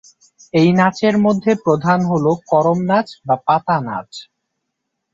এই নাচের মধ্যে প্রধান হল করম নাচ বা পাতানাচ।